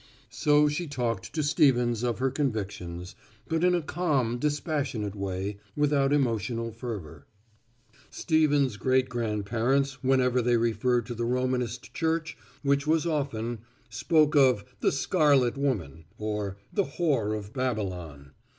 So she talked to Stevens of her convictions, but in a calm dispassionate way, without emotional fervor. Stevens' great grandparents whenever they referred to the Romanist Church, which was often, spoke of "the scarlet woman" or "the whore of Babylon."